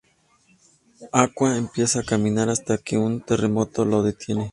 Aqua empieza a caminar, hasta que un terremoto la detiene.